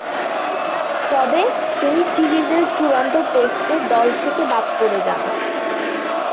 তবে, তিনি সিরিজের চূড়ান্ত টেস্টে দল থেকে বাদ পড়ে যান।